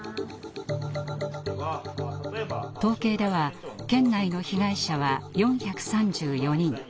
統計では県内の被害者は４３４人。